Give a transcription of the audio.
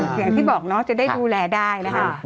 อย่างที่บอกเนาะจะได้ดูแลได้นะคะ